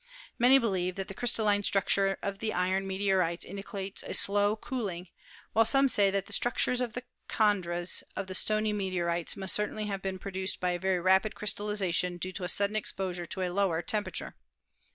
Many believe that the crys talline structure of the iron meteorites indicates a slow cooling, while some say that the structures of the "chon dres" of the stony meteorites must certainly have been produced by a very rapid crystallization due to a sudden exposure to a lower temperature.